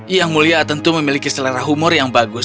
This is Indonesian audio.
yang mulia tentu memiliki selera humor yang bagus